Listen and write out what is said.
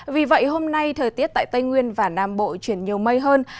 vì vậy hôm nay thời tiết tại tây nguyên và nam bộ chuyển nhiều mây hơn